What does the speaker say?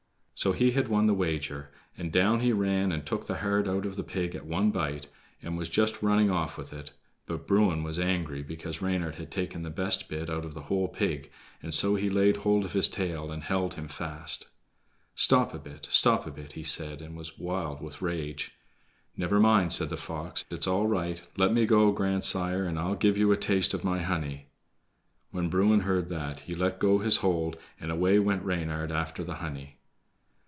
So he had won the wager, and down he ran and took the heart out of the pig at one bite, and was just running off with it. But Bruin was angry because Reynard had taken the best bit out of the whole pig, and so he laid hold of his tail and held him fast. "Stop a bit, stop a bit," he said, and was wild with rage. "Never mind," said the fox, "it's all right; let me go, grandsire, and I'll give you a taste of my honey." When Bruin heard that, he let go his hold, and away went Reynard after the honey.